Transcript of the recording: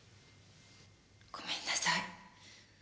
ごめんなさい。